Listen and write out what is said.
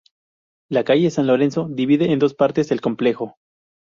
La calle San Lorenzo divide en dos partes el complejo.